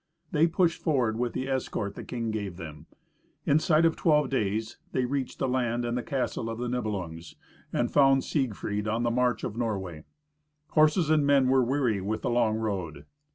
They pushed forward with the escort the king gave them. Inside of twelve days they reached the land and the castle of the Nibelungs, and found Siegfried on the march of Norway. Horses and men were weary with the long road.